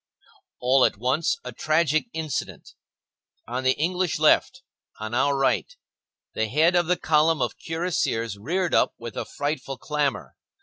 All at once, a tragic incident; on the English left, on our right, the head of the column of cuirassiers reared up with a frightful clamor.